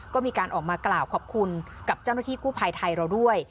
ก็มีการออกมากล่าวขอบคุณกับเจ้าหน้าที่กู้ภัยไทยเราด้วย